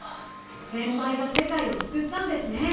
先輩が世界を救ったんですね。